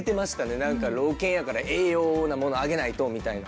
なんか「老犬やから栄養なものあげないと」みたいな。